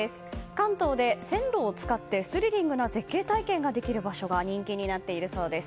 関東で線路を使ってスリリングな絶景体験をできる場所が人気になっているそうです。